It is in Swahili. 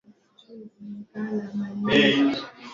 a bwana grant ameongeza kuwa baraza la usalama la umoja wa mataifa